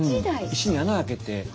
石に穴開けて。